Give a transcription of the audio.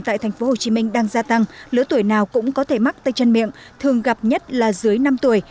tại tp hcm đang gia tăng lứa tuổi nào cũng có thể mắc tay chân miệng thường gặp nhất là dưới năm tuổi